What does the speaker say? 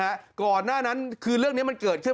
ภาษาแรกที่สุดท้าย